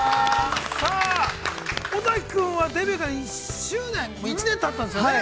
さあ、尾崎君はデビューから１年たったんですよね。